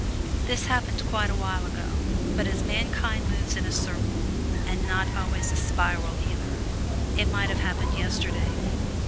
This happened quite a while ago; but as mankind moves in a circle (and not always a spiral, either) it might have happened yesterday.